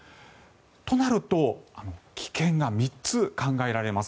となると危険が３つ考えられます。